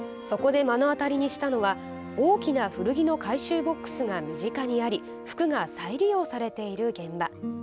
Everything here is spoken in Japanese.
そこで目の当たりにしたのは大きな古着の回収ボックスが身近にあり服が再利用されている現場。